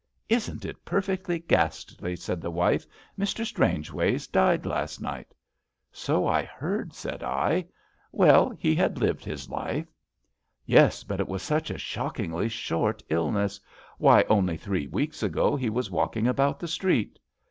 Isn't it perfectly ghastly? *' said the wife. " Mr. Strangeways died last night.*' '' So I heard,'* said I. '' WeU, he had Uved £is life." Yes, but it was such a shockingly short illness. Why, only three weeks ago he was walking about the street."